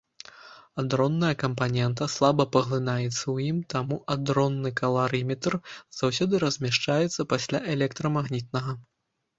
Адронная кампанента слаба паглынаецца ў ім, таму адронны каларыметр заўсёды размяшчаецца пасля электрамагнітнага.